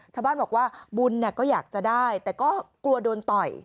ชาวบ้านบอกว่าบุญก็อยากจะได้แต่ก็กลัวโดนต่อย